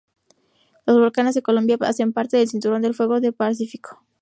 Los volcanes de Colombia hacen parte del Cinturón de Fuego del Pacífico.